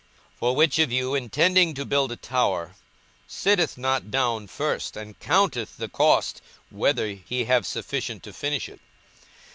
42:014:028 For which of you, intending to build a tower, sitteth not down first, and counteth the cost, whether he have sufficient to finish it?